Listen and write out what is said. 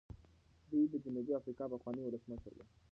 دی د جنوبي افریقا پخوانی ولسمشر و.